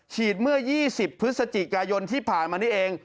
เมื่อ๒๐พฤศจิกายนที่ผ่านมานี่เอง